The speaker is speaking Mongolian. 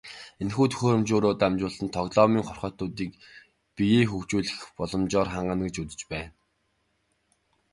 Энэхүү төхөөрөмжөөрөө дамжуулан тоглоомын хорхойтнуудыг биеэ хөгжүүлэх боломжоор хангана гэж үзэж байна.